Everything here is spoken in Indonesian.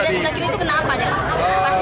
dada sebelah kiri itu kenapa ya